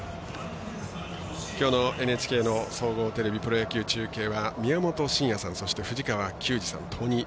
きょうのＮＨＫの総合テレビプロ野球中継は宮本慎也さんそして藤川球児さん。